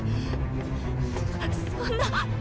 そんな！！